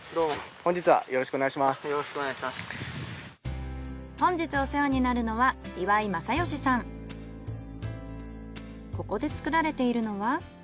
本日お世話になるのはここで作られているのは？